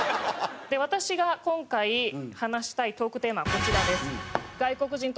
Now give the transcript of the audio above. で私が今回話したいトークテーマはこちらです。